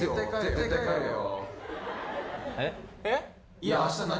絶対帰れよ。